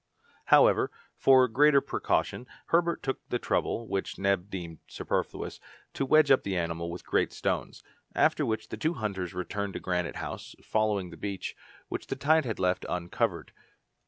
However, for greater precaution, Herbert took the trouble, which Neb deemed superfluous, to wedge up the animal with great stones, after which the two hunters returned to Granite House, following the beach, which the tide had left uncovered.